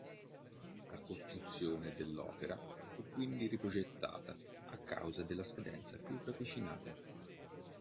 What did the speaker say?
La costruzione dell'opera fu quindi riprogettata a causa della scadenza più ravvicinata.